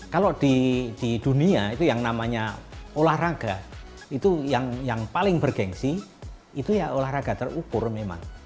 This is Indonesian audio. kalau di dunia itu yang namanya olahraga itu yang paling bergensi itu ya olahraga terukur memang